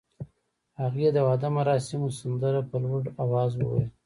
هغې د واده مراسمو سندره په لوړ اواز وویل.